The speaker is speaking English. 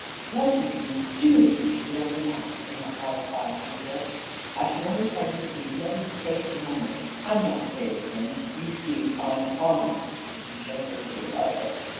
"What would you do?" she could only ask in a horrified whisper. "I can only tell you that he'd never be safe a moment. I'm not afraid of him. You see I'm armed," and he showed her a revolver.